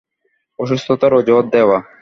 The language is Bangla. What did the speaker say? অসুস্থতার অজুহাত দেওয়া?